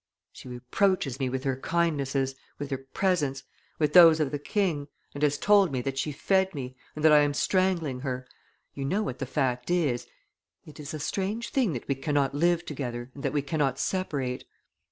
"She reproaches me with her kindnesses, with her presents, with those of the king, and has told me that she fed me, and that I am strangling her; you know what the fact is; it is a strange thing that we cannot live together and that we cannot separate.